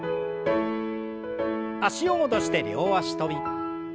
脚を戻して両脚跳び。